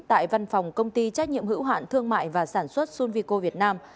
tại văn phòng công ty trách nhiệm hữu hạn thương mại và sản xuất sunvico việt nam